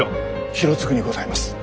広次にございます。